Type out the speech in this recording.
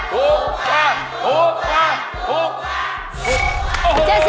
ถูกกว่า